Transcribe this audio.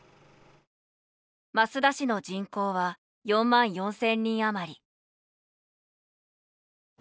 益田市の人口は４万４０００人あまり。